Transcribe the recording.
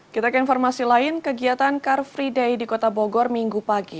kita ke informasi lain kegiatan car free day di kota bogor minggu pagi